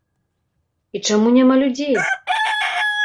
І чаму няма людзей?